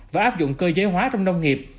và áp dụng cơ giới hóa trong nông nghiệp